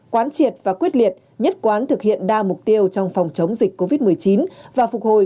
quán triệt và quyết liệt nhất quán thực hiện đa mục tiêu trong phòng chống dịch covid một mươi chín và phục hồi